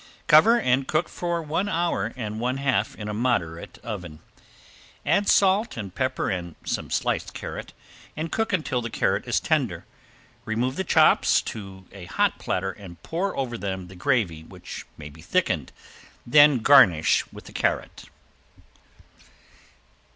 Cover and cook for one hour and one half in a moderate oven. Add salt and pepper and some sliced carrot, and cook until the carrot is tender. Remove the chops to a hot platter and pour over them the gravy which may be thickened, then garnish with the carrot.